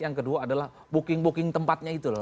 yang kedua adalah booking booking tempatnya itu loh